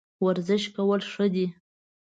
ورزش کول ښه دي